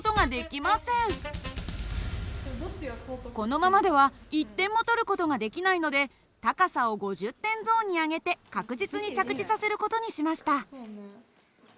このままでは１点も取る事ができないので高さを５０点ゾーンに上げて確実に着地させる事にしました。